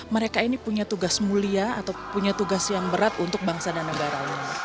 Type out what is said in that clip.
mereka ini punya tugas mulia atau punya tugas yang berat untuk bangsa dan negara ini